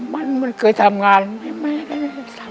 มันเคยทำงานไม่ได้ทำ